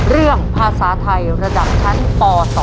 เรื่องภาษาไทยระดับชั้นป๒